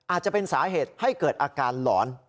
อาจจะเป็นสาเหตุให้เกิดอาการหลอน